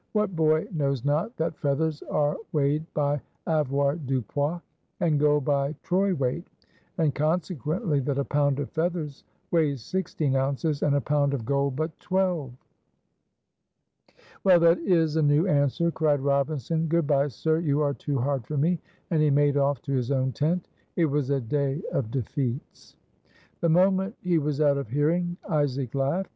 "What boy knows not that feathers are weighed by Avoirdupois, and gold by Troy weight, and consequently that a pound of feathers weighs sixteen ounces, and a pound of gold but twelve?" "Well, that is a new answer," cried Robinson. "Good by, sir, you are too hard for me;" and he made off to his own tent. It was a day of defeats. The moment he was out of hearing, Isaac laughed.